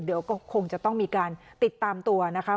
เดี๋ยวก็คงจะต้องมีการติดตามตัวนะคะ